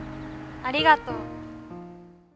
ありがとう。